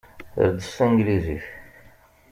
Err-d s tanglizit.